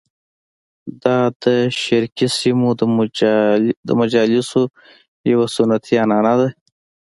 دا د شرقي سیمو د مجالسو یوه سنتي عنعنه وه.